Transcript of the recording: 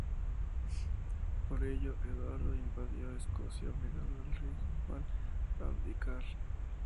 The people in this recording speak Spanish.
Por ello, Eduardo invadió Escocia, obligando al rey Juan a abdicar.